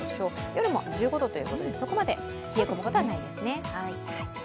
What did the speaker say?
夜も１５度ということでそこまで冷え込むことはないですね。